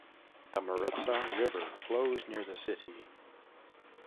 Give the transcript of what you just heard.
The Maritsa River flows near the city.